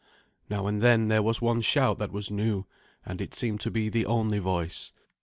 Now and then there was one shout that was new, and it seemed to be the only voice.